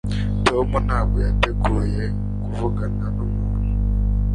Tom ntabwo yateguye kuvugana numuntu